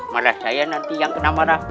malah saya nanti yang kena marah